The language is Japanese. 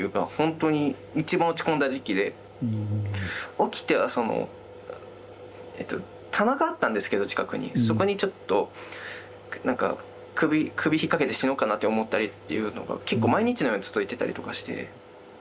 起きてはそのえっと棚があったんですけど近くにそこにちょっとなんか首引っ掛けて死のうかなって思ったりっていうのが結構毎日のように続いてたりとかして。